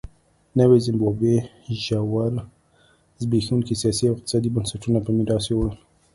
نوې زیمبابوې ژور زبېښونکي سیاسي او اقتصادي بنسټونه په میراث یووړل.